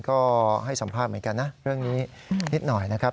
ก็ให้สัมภาษณ์เหมือนกันนะเรื่องนี้นิดหน่อยนะครับ